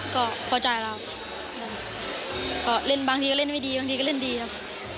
ก็พอใจแล้วเรื่องเกินงามแบบบางทีเล่นไม่ดีบางทีแบบเราเล่นดีครับ